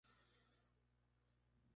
Hay una fábrica procesadora de pescado.